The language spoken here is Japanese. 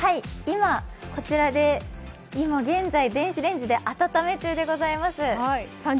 今、こちらで現在、電子レンジで温め中です。